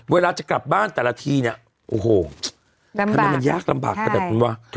เวลาจะกลับบ้านแต่ละทีเนี่ยโอ้โหทำไมมันยากลำบากขนาดนั้นวะ